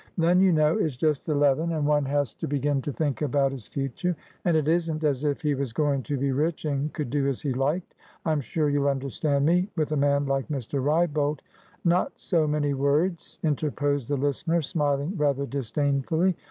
Len, you know, is just eleven, and one has to begin to think about his future, and it isn't as if he was going to be rich and could do as he liked. I'm sure you'll understand me. With a man like Mr. Wrybolt" "Not so many words," interposed the listener, smiling rather disdainfully.